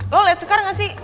lo liat sekar gak sih